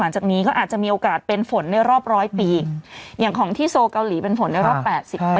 แหละคุณคุณคุณคุณในวิทยาลัยศัพท์นะคะ